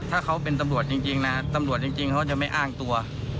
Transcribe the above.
ถ้าเขาเป็นตำรวจจริงนะตำรวจจริงเขาจะไม่อ้างตัว